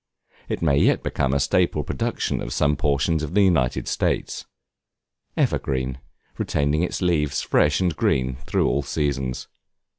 It may yet become a staple production of some portions of the United States. Evergreen, retaining its leaves fresh and green through all seasons.